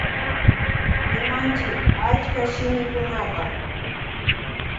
Rimanchi achka shimikunata.